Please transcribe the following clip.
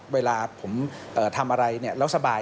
เวลาผมทำอะไรแล้วสบาย